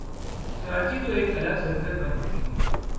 کراچی تو ایک الگ سلطنت بن چکی تھی۔